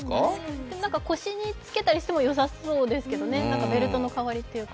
なんか腰につけてもよさそうですけどね、ベルトの代わりというか。